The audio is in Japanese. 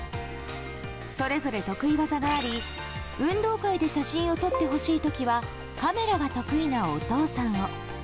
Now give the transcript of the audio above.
それぞれ得意技があり運動会で写真を撮ってほしい時はカメラが得意なお父さんを。